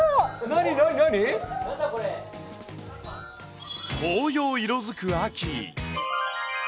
何、紅葉色づく秋。